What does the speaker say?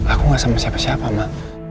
aku gak sama siapa siapa mak